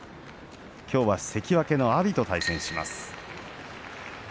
きょうは関脇の阿炎と対戦します。